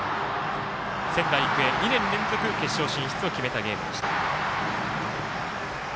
仙台育英、２年連続決勝進出を決めたゲーム。